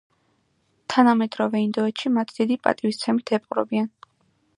თანამედროვე ინდოეთში მათ დიდი პატივისცემით ეპყრობიან.